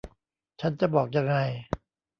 ฉันจะบอกยังไง